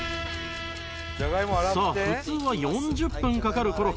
さあ普通は４０分かかるコロッケ